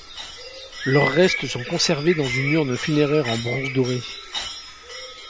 Leurs restes sont conservées dans une urne funéraire en bronze doré.